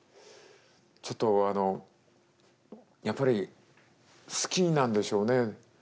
ちょっとあのやっぱり好きなんでしょうね。